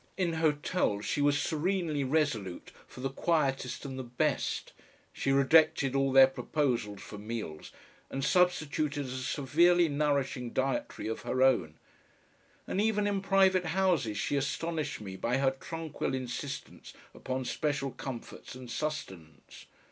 In hotels she was serenely resolute for the quietest and the best, she rejected all their proposals for meals and substituted a severely nourishing dietary of her own, and even in private houses she astonished me by her tranquil insistence upon special comforts and sustenance.